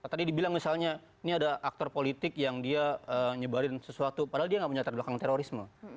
tadi dibilang misalnya ini ada aktor politik yang dia nyebarin sesuatu padahal dia nggak punya terbelakang terorisme